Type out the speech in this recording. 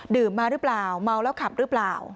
มาหรือเปล่าเมาแล้วขับหรือเปล่า